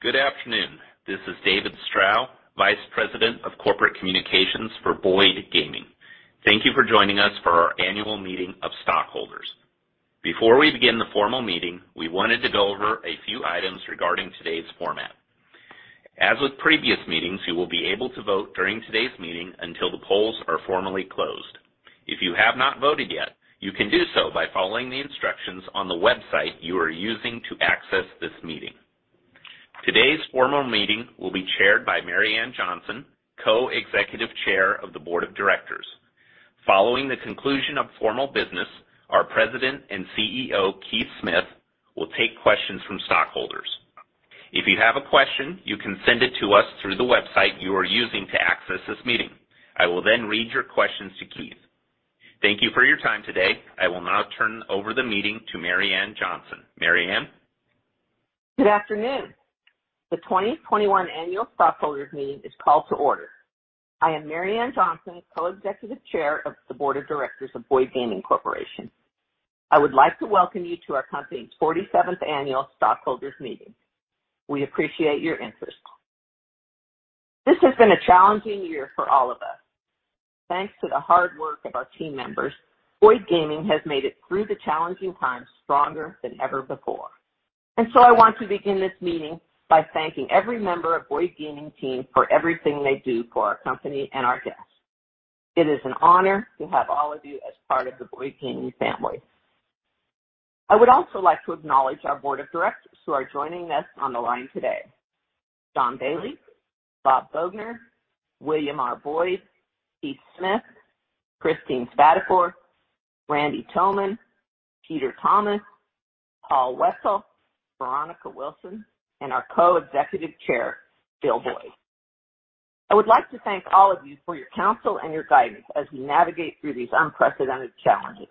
Good afternoon. This is David Strow, Vice President of Corporate Communications for Boyd Gaming. Thank you for joining us for our annual meeting of stockholders. Before we begin the formal meeting, we wanted to go over a few items regarding today's format. As with previous meetings, you will be able to vote during today's meeting until the polls are formally closed. If you have not voted yet, you can do so by following the instructions on the website you are using to access this meeting. Today's formal meeting will be chaired by Marianne Boyd Johnson, Co-Executive Chair of the Board of Directors. Following the conclusion of formal business, our President and CEO, Keith Smith, will take questions from stockholders. If you have a question, you can send it to us through the website you are using to access this meeting. I will then read your questions to Keith. Thank you for your time today. I will now turn over the meeting to Marianne Boyd Johnson. Marianne Boyd Johnson? Good afternoon. The 2021 Annual Stockholders Meeting is called to order. I am Marianne Boyd Johnson, Co-Executive Chair of the Board of Directors of Boyd Gaming Corporation. I would like to welcome you to our company's 47th annual stockholders meeting. We appreciate your interest. This has been a challenging year for all of us. Thanks to the hard work of our team members, Boyd Gaming has made it through the challenging times stronger than ever before. So I want to begin this meeting by thanking every member of Boyd Gaming team for everything they do for our company and our guests. It is an honor to have all of you as part of the Boyd Gaming family. I would also like to acknowledge our board of directors who are joining us on the line today: John Bailey, Robert L. Boughner, William R. Boyd, Keith Smith, Christine Spadafor, Randy Thoman, Peter Thomas, Paul Whetsell, Veronica Wilson, and our Co-Executive Chair, Bill Boyd. I would like to thank all of you for your counsel and your guidance as we navigate through these unprecedented challenges.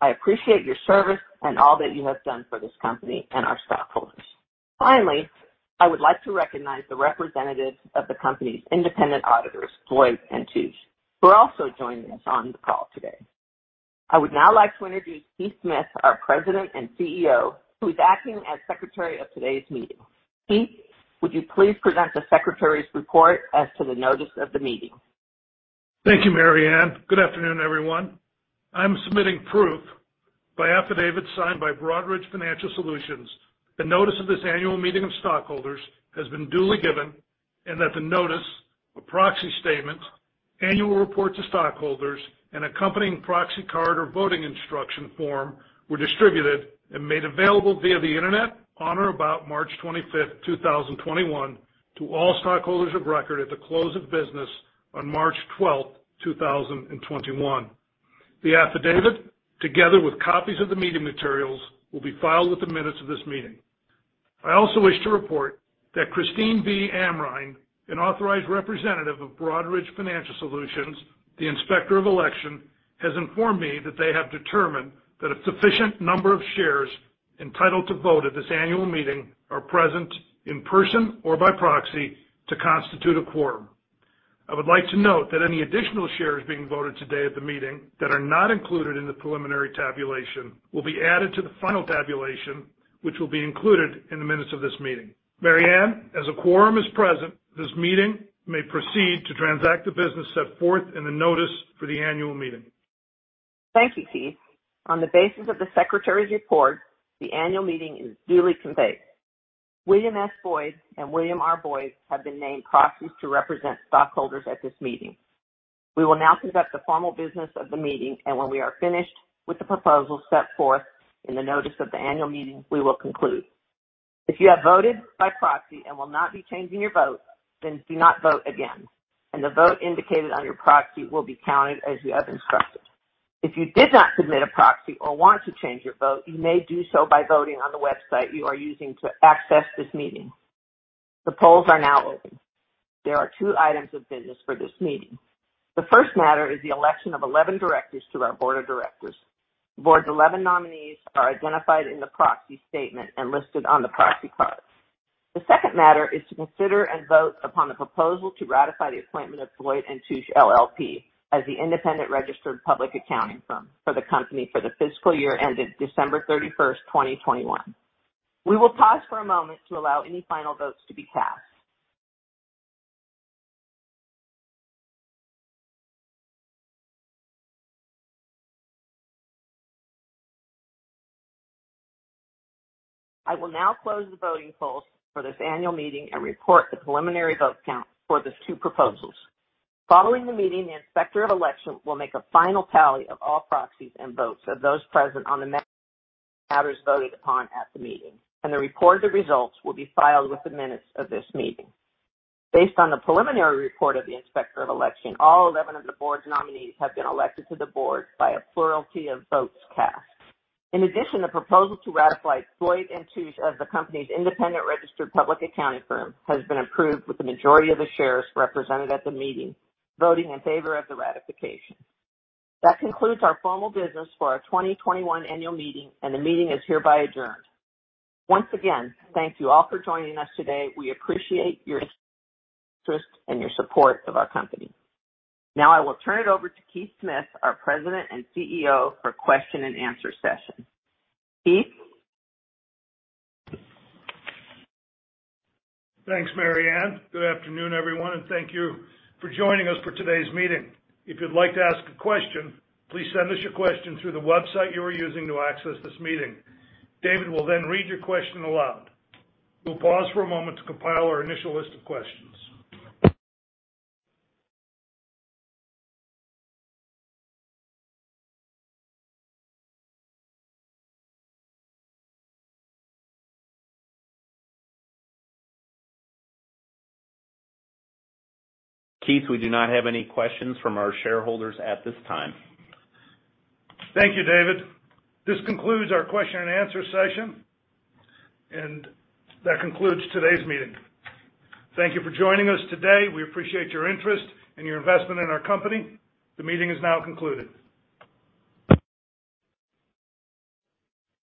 I appreciate your service and all that you have done for this company and our stockholders. Finally, I would like to recognize the representatives of the company's independent auditors, Deloitte & Touche, who are also joining us on the call today. I would now like to introduce Keith Smith, our President and CEO, who is acting as Secretary of today's meeting. Keith, would you please present the Secretary's report as to the notice of the meeting? Thank you, Marianne. Good afternoon, everyone. I'm submitting proof by affidavit, signed by Broadridge Financial Solutions, that notice of this annual meeting of stockholders has been duly given, and that the notice of proxy statement, annual report to stockholders, and accompanying proxy card or voting instruction form were distributed and made available via the Internet on or about March 25, 2021, to all stockholders of record at the close of business on March 12, 2021. The affidavit, together with copies of the meeting materials, will be filed with the minutes of this meeting. I also wish to report that Christine V. Amrine, an authorized representative of Broadridge Financial Solutions, the Inspector of Election, has informed me that they have determined that a sufficient number of shares entitled to vote at this annual meeting are present in person or by proxy to constitute a quorum. I would like to note that any additional shares being voted today at the meeting that are not included in the preliminary tabulation will be added to the final tabulation, which will be included in the minutes of this meeting. Marianne, as a quorum is present, this meeting may proceed to transact the business set forth in the notice for the annual meeting. Thank you, Keith. On the basis of the Secretary's report, the annual meeting is duly convened. William S. Boyd and William R. Boyd have been named proxies to represent stockholders at this meeting. We will now conduct the formal business of the meeting, and when we are finished with the proposals set forth in the notice of the annual meeting, we will conclude. If you have voted by proxy and will not be changing your vote, then do not vote again, and the vote indicated on your proxy will be counted as you have instructed. If you did not submit a proxy or want to change your vote, you may do so by voting on the website you are using to access this meeting. The polls are now open. There are two items of business for this meeting. The first matter is the election of 11 directors to our Board of Directors. The Board's 11 nominees are identified in the Proxy Statement and listed on the Proxy Cards. The second matter is to consider and vote upon the proposal to ratify the appointment of Deloitte & Touche LLP as the independent registered public accounting firm for the company for the fiscal year ended December 31, 2021. We will pause for a moment to allow any final votes to be cast. I will now close the voting polls for this annual meeting and report the preliminary vote count for these two proposals. Following the meeting, the Inspector of Election will make a final tally of all proxies and votes of those present on the matters voted upon at the meeting, and the reported results will be filed with the minutes of this meeting. Based on the preliminary report of the Inspector of Election, all 11 of the board's nominees have been elected to the board by a plurality of votes cast. In addition, the proposal to ratify Deloitte & Touche as the company's independent registered public accounting firm has been approved, with the majority of the shares represented at the meeting, voting in favor of the ratification. That concludes our formal business for our 2021 annual meeting, and the meeting is hereby adjourned. Once again, thank you all for joining us today. We appreciate your interest and your support of our company. Now, I will turn it over to Keith Smith, our President and CEO, for question and answer session. Keith? Thanks, Marianne. Good afternoon, everyone, and thank you for joining us for today's meeting. If you'd like to ask a question, please send us your question through the website you are using to access this meeting. David will then read your question aloud. We'll pause for a moment to compile our initial list of questions. Keith, we do not have any questions from our shareholders at this time. Thank you, David. This concludes our question and answer session, and that concludes today's meeting. Thank you for joining us today. We appreciate your interest and your investment in our company. The meeting is now concluded.